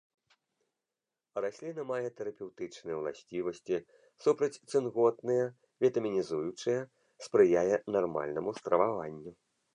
Расліна мае тэрапеўтычныя ўласцівасці, супрацьцынготныя, вітамінізуючыя, спрыяе нармальнаму страваванню.